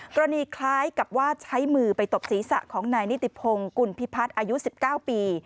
คล้ายกับว่าใช้มือไปตบศีรษะของนายนิติพงศ์กุลพิพัฒน์อายุ๑๙ปี